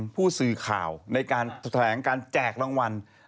ผู้สื่อข่าวในการแถลงการแจกรางวัล